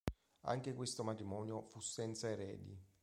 Anche questo matrimonio fu senza eredi.